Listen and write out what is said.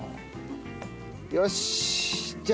よしじゃあ７分。